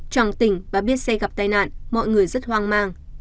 trọng tỉnh và biết xe gặp tai nạn mọi người rất hoang mang